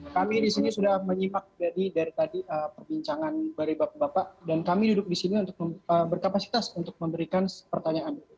kami di sini sudah menyimak dari tadi perbincangan dari bapak bapak dan kami duduk di sini untuk berkapasitas untuk memberikan pertanyaan